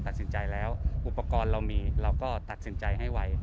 ตัดสินใจแล้วอุปกรณ์เรามีเราก็ตัดสินใจให้ไว้